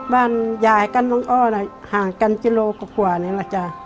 บ้านยายกับน้องอ้อห่างกันกิโลกว่านี่แหละจ๊ะ